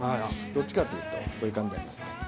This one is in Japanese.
どっちかって言うと、そういう感じがありますね。